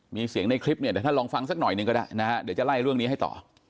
มีเสียงในคลิปเนี่ยเดี๋ยวท่านลองฟังสักหน่อยหนึ่งก็ได้นะฮะเดี๋ยวจะไล่เรื่องนี้ให้ต่อ